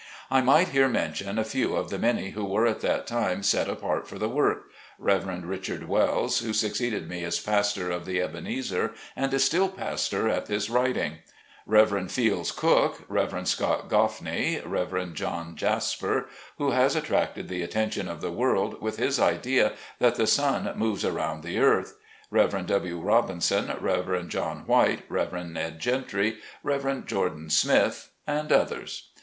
I might here mention a few of the many who were at that time set apart for the work. Rev. Richard Wells, who succeeded me as pastor of the Ebenezer, and is still pastor at this writing; Rev. Fields Cook, Rev. Scott Goffney, Rev. John Jasper, who has attracted the attention of the world with his idea that the sun moves round the earth ; Rev. W Robinson, Rev. John White, Rev. Ned Jentry, Rev. Jordan Smith, and others.